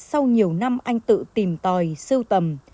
sau nhiều năm anh tự tìm tòi sưu tầm